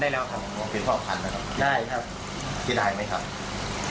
ได้ครับเสียดายไหมครับ